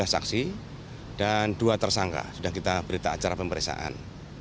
tiga belas saksi dan dua tersangka sudah kita berita acara pemeriksaan